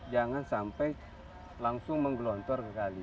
jangan sampai langsung menggelontor sekali